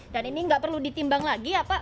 dan ini gak perlu ditimbang lagi ya pak